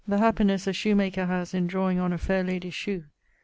happinesse a shoemaker haz in drawing on a fair lady's shoe....